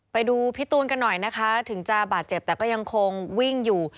ไปดูพี่ตูนกันหน่อยนะคะถึงจะบาดเจ็บแต่ก็ยังคงวิ่งอยู่